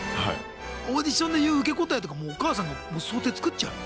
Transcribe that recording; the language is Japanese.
オーディションで言う受け答えとかもうお母さんが想定作っちゃうの？